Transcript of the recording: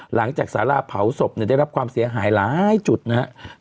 หลังจากสาระเผาศพเนี่ยได้รับความเสียหายหลายจุดนะฮะ